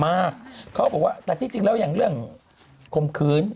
เขาบอกว่าแต่ที่จริงแล้วอย่างเรื่องข่มขืน